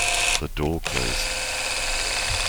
The door closed.